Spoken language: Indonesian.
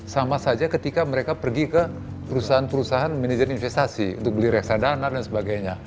sama saja ketika mereka pergi ke perusahaan perusahaan manajer investasi untuk beli reksadana dan sebagainya